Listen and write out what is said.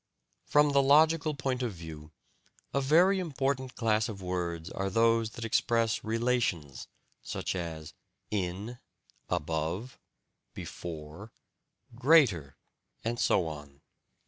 From the logical point of view, a very important class of words are those that express relations, such as "in," "above," "before," "greater," and so on.